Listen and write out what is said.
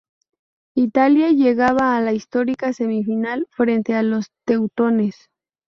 Italia llegaba a la histórica semifinal frente a los teutones.